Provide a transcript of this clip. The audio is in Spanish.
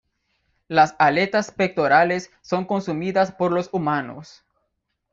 Las aletas pectorales son consumidas por los humanos.